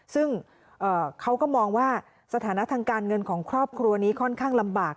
ซึ่งเขาก็มองว่าสถานะทางการเงินของครอบครัวนี้ค่อนข้างลำบาก